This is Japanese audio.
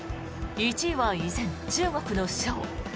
１位は依然、中国のショウ。